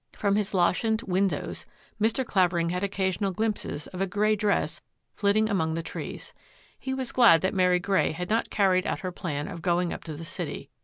From his lozenged windows Mr. Clavering had occasional glimpses of a grey dress flitting among the trees. He was glad that Mary Grey had not carried out her plan of going up to the city.